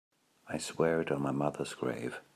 I swear it on my mother's grave.